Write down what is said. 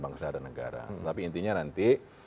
bangsa dan negara tapi intinya nanti